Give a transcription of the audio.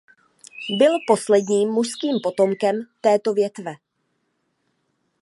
Byl posledním mužským potomkem této větve.